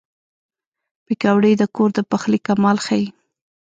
پکورې د کور د پخلي کمال ښيي